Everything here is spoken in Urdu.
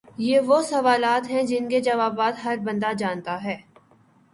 یہ وہ سوالات ہیں جن کے جوابات ہر بندہ جانتا ہے